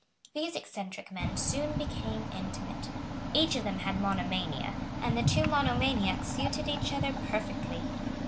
These eccentric men soon became intimate. Each of them had his monomania; and the two monomaniac suited each other perfectly.